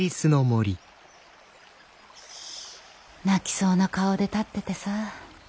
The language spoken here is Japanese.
泣きそうな顔で立っててさ